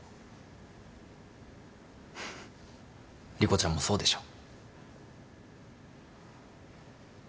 莉子ちゃんもそうでしょ？